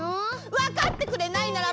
わかってくれないなら